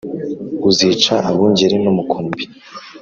Uzica abungeri n`umukumbi.”